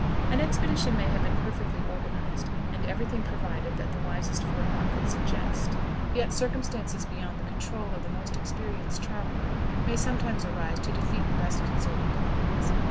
An expedition may have been perfectly organized, and every thing provided that the wisest forethought could suggest, yet circumstances beyond the control of the most experienced traveler may sometimes arise to defeat the best concerted plans.